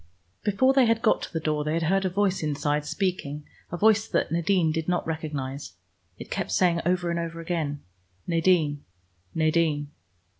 Before they had got to the door they had heard a voice inside speaking, a voice that Nadine did not recognize. It kept saying over and over again, "Nadine, Nadine."